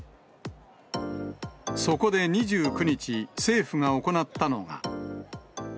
そこで２９日、政府が行ったのが。